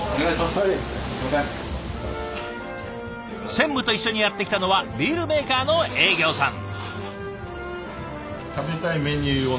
専務と一緒にやって来たのはビールメーカーの営業さん。